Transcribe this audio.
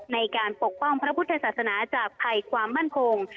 ปกป้องพระพุทธศาสนาจากภัยความมั่นคง